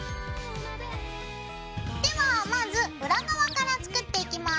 ではまず裏側から作っていきます。